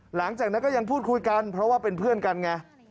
หลังจากนั้นก็ยังพูดคุยกันเพราะว่าเป็นเพื่อนกันไง